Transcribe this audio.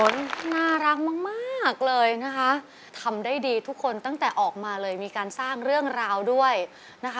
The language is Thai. น่ารักมากมากเลยนะคะทำได้ดีทุกคนตั้งแต่ออกมาเลยมีการสร้างเรื่องราวด้วยนะคะ